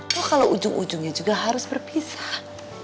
kok kalo ujung ujungnya juga harus berpisah